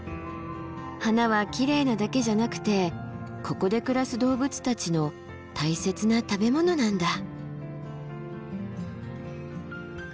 花はきれいなだけじゃなくてここで暮らす動物たちの大切な食べ物なんだ。